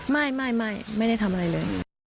ไม่ไม่ได้ทำอะไรเลย